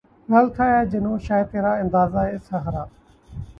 غلط تھا اے جنوں شاید ترا اندازۂ صحرا